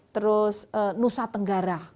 terus nusa tenggara